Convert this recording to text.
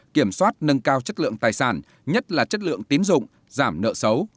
kiểm soát nâng cao chất lượng tài sản nhất là chất lượng tiến dụng giảm nợ xấu